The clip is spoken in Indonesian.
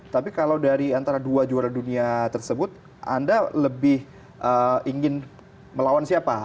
tapi kalau dari antara dua juara dunia tersebut anda lebih ingin melawan siapa